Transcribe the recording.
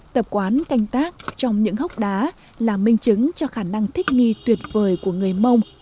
tập quán canh tác trong những hốc đá là minh chứng cho khả năng thích nghi tuyệt vời của người mông